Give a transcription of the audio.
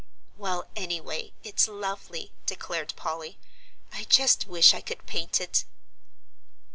"Well, anyway, it's lovely," declared Polly; "I just wish I could paint it."